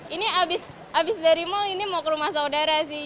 ini habis dari mal ini mau ke rumah saudara sih